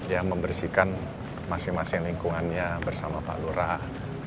ya membersihkan masing masing lingkungannya bersama pak lurah